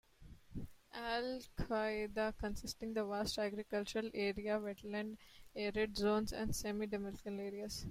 Al-Qadisiyah consists of vast agricultural areas, wetlands, arid zones, and semi-desert areas.